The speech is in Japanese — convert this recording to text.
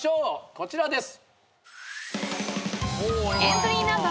こちらです。